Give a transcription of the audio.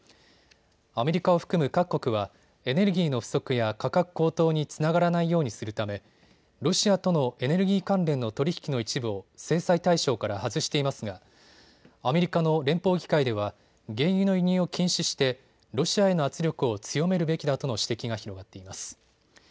アメリカを含む各国はエネルギーの不足や価格高騰につながらないようにするためロシアとのエネルギー関連の取り引きの一部を制裁対象から外していますがアメリカの連邦議会では原油の輸入を禁止してロシアへの圧力を強めるべきだとの指摘が広がっています。